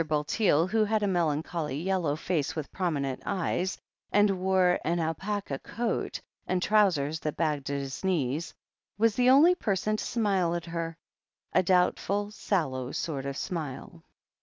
Bulteel, who had a melancholy yellow face with prominent eyes, and wore an alpaca coat, and trousers that bagged at the knees, was the only person to smile at her — b, doubtful, sallow sort of smile.